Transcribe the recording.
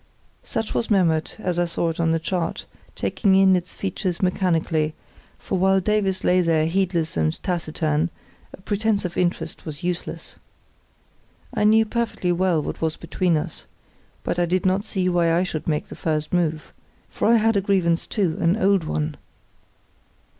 Such was Memmert, as I saw it on the chart, taking in its features mechanically, for while Davies lay there heedless and taciturn, a pretence of interest was useless. I knew perfectly well what was between us, but I did not see why I should make the first move; for I had a grievance too, an old one.